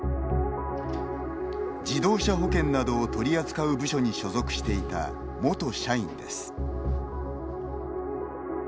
自動車保険などを取り扱う部署に所属していた元社員です。